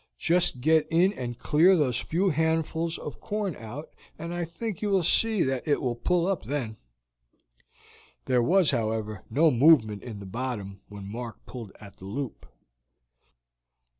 "Just get in and clear those few handfuls of corn out. I think you will see that it will pull up then." There was, however, no movement in the bottom when Mark pulled at the loop.